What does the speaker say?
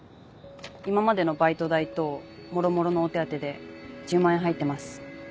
今までのバイト代ともろもろのお手当で１０万円入ってます。